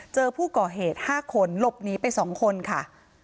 เจอผู้ก่อเหตุ๕คนหลบหนีไป๒คนค่ะ